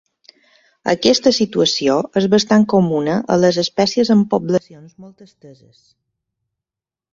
Aquesta situació és bastant comuna a les espècies amb poblacions molt esteses.